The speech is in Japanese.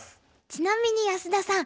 ちなみに安田さん。